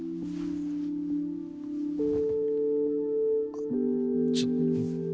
あっちょ。